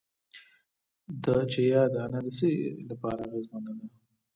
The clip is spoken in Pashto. د چیا دانه د څه لپاره اغیزمنه ده؟